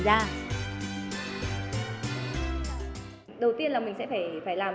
bạn tiếp theo